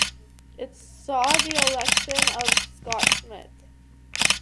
It saw the election of Scott Smith.